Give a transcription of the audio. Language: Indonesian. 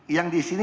yang di sini